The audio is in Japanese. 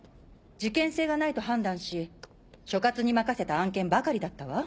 事件性がないと判断し所轄に任せた案件ばかりだったわ。